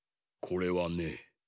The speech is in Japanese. これはね